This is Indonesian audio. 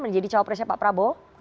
menjadi capresnya pak prabowo